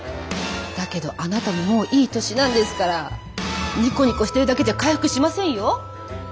だけどあなたももういい年なんですからニコニコしてるだけじゃ回復しませんよ。